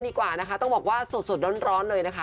เบ็บนี้กว่าต้องบอกว่าสุดร้อนเลยนะคะ